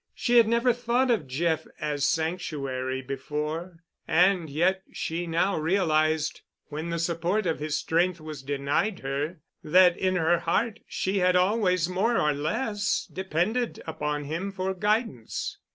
She had never thought of Jeff as sanctuary before, and yet she now realized, when the support of his strength was denied her, that in her heart she had always more or less depended upon him for guidance.